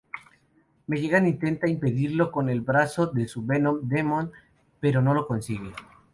Magellan intenta impedirlo con el brazo de su Venom Demon pero no lo consigue.